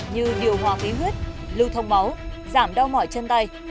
như điều hòa khí huyết lưu thông máu giảm đau mỏi chân tay